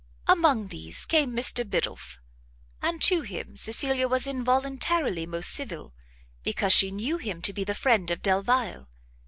Among these came Mr Biddulph; and to him Cecilia was involuntarily most civil, because she knew him to be the friend of Delvile.